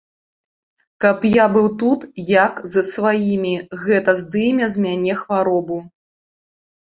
Каб я быў тут як з сваiмi, гэта здыме з мяне хваробу.